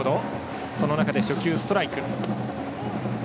その中で初球、ストライク。